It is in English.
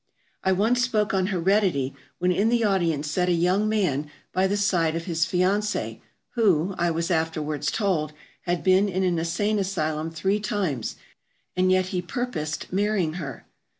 I once spoke on heredity when in the audience sat a young man by the side of his fiancée, who, I was afterwards told, had been in an insane asylum three times, and yet he purposed marrying her.